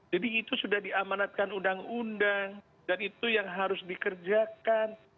itu sudah diamanatkan undang undang dan itu yang harus dikerjakan